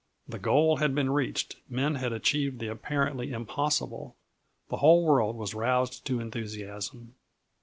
The goal had been reached men had achieved the apparently impossible. The whole world was roused to enthusiasm.